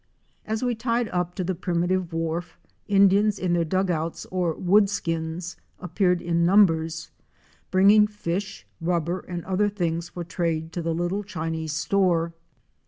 As we ticd up to the primitive wharf, Indians in their dug outs or wood skins appeared in numbers, bringing fish, rubber and other things for trade to the little Chinese store.